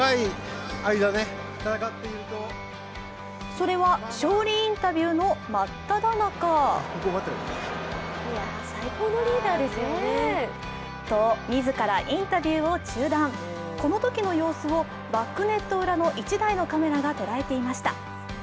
それは勝利インタビューのまっただ中自らインタビューを中断、そのときの様子をバックネット裏の１台のカメラが捉えていました。